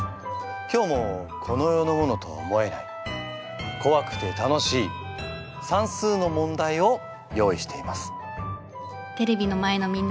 今日もこの世のモノとは思えないこわくて楽しい算数の問題を用意しています。